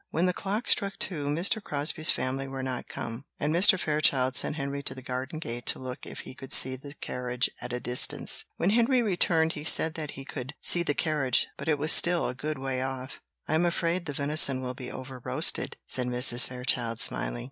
When the clock struck two, Mr. Crosbie's family were not come, and Mr. Fairchild sent Henry to the garden gate to look if he could see the carriage at a distance. When Henry returned he said that he could see the carriage, but it was still a good way off. "I am afraid the venison will be over roasted," said Mrs. Fairchild, smiling.